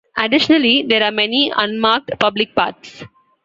Additionally, there are many unmarked public paths.